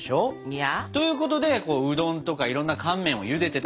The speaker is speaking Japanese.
いや？ということでうどんとかいろんな乾麺をゆでてたってこと。